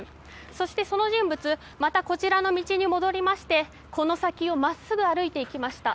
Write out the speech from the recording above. そして、その人物またこちらの道に戻りましてこの先を真っすぐ歩いていきました。